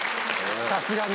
さすがに。